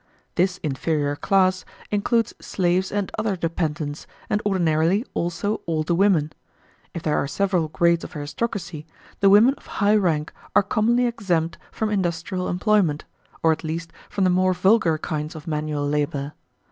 This inferior class includes slaves and other dependents, and ordinarily also all the women. If there are several grades of aristocracy, the women of high rank are commonly exempt from industrial employment, or at least from the more vulgar kinds of manual labour.